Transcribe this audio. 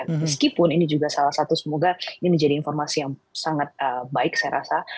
meskipun ini juga salah satu semoga ini menjadi informasi yang sangat baik saya rasa